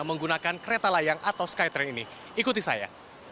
menggunakan kereta layang atau skytrain ini ikuti saya